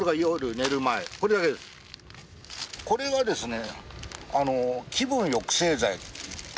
これはですね。